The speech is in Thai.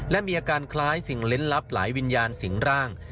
และมีอาการคล้ายสิ่งเล่นลับหลายวิญญาณสิงร่าง